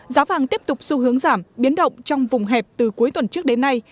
giá vàng tiếp tục xu hướng giảm biến động trong vùng hẹp từ cuối tuần trước đến nay